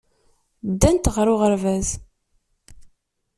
Ddant ɣer uɣerbaz.